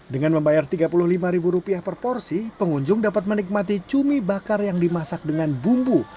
dengan membayar rp tiga puluh lima per porsi pengunjung dapat menikmati cumi bakar yang dimasak dengan bumbu